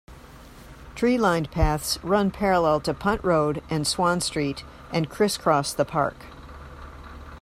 Tree-lined paths run parallel to Punt Road and Swan Street, and criss-cross the park.